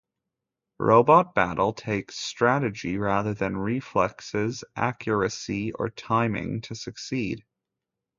Robot Battle takes strategy rather than reflexes, accuracy, or timing to succeed.